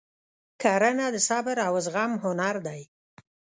کرنه د صبر او زغم هنر دی.